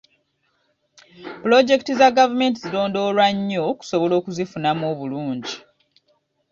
Pulojekiti za gavumenti zirondoolwa nnyo okusobola okuzifunamu obulungi.